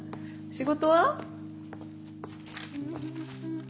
仕事は？